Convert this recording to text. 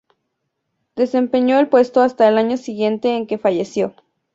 Desempeñó el puesto hasta el año siguiente en que falleció.